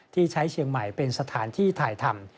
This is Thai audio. ที่ใช้เชียงใหม่เป็นสถานที่ถ่ายทำ